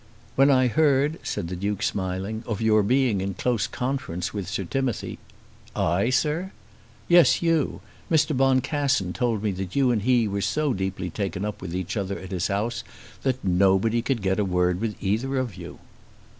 "When I heard," said the Duke smiling, "of your being in close conference with Sir Timothy " "I, sir?" "Yes, you. Mr. Boncassen told me that you and he were so deeply taken up with each other at his house, that nobody could get a word with either of you."